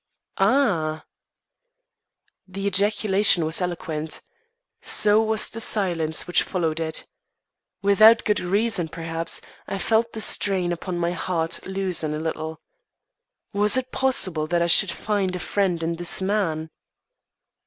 "Ah!" The ejaculation was eloquent. So was the silence which followed it. Without good reason, perhaps, I felt the strain upon my heart loosen a little. Was it possible that I should find a friend in this man?